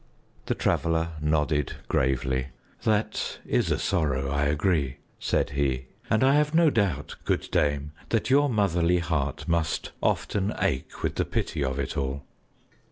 The Traveler nodded gravely. "That is a sorrow, I agree," said he, "and I have no doubt, good dame, that your motherly heart must often ache with the pity of it all."